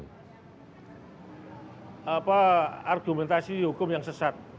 menurut saya itu argumentasi hukum yang sesat